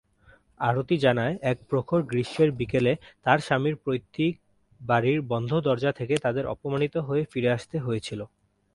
আরতি জানায়, এক প্রখর গ্রীষ্মের বিকেলে, তার স্বামীর পৈতৃক বাড়ির বন্ধ দরজা থেকে তাদের অপমানিত হয়ে ফিরে আসতে হয়েছিল।